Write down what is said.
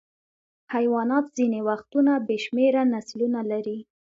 حیوانات ځینې وختونه بې شمېره نسلونه لري.